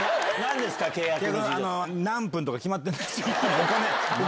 何分とか決まってるんですよ。